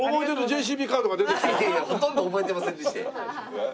いやいやほとんど覚えてませんでしたやん。